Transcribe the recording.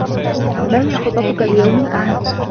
ماهي خططك ليوم الأحد؟